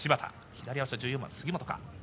左足は１４番杉本か。